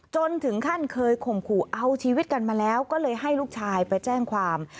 จนถึงขั้นเคยข่มขู่เอาชีวิตกันมาแล้วก็เลยให้ลูกชายไปแจ้งความ